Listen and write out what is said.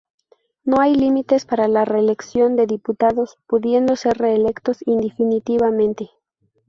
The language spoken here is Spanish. No hay límites para la reelección de diputados, pudiendo ser reelectos indefinidamente.